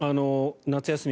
夏休み